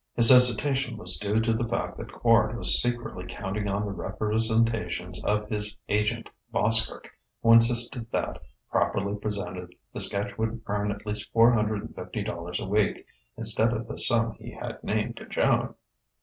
His hesitation was due to the fact that Quard was secretly counting on the representations of his agent, Boskerk, who insisted that, properly presented, the sketch would earn at least four hundred and fifty dollars a week, instead of the sum he had named to Joan.